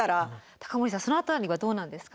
高森さんその辺りはどうなんですか？